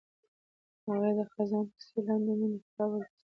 هغې د خزان تر سیوري لاندې د مینې کتاب ولوست.